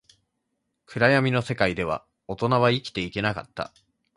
暗闇の世界では、大人は生きていけなかった